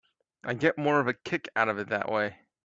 I get more of a kick out of it that way.